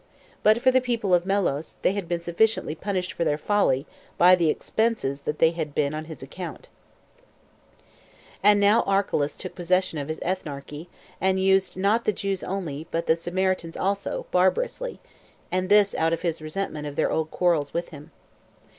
But for the people of Melos, they had been sufficiently punished for their folly, by the expenses they had been at on his account. 3. And now Archelaus took possession of his ethnarchy, and used not the Jews only, but the Samaritans also, barbarously; and this out of his resentment of their old quarrels with him.